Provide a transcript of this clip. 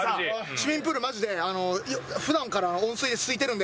市民プールマジで普段から温水ですいてるんで。